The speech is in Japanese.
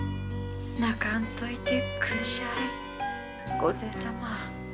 泣かんといてくんしゃい御前様。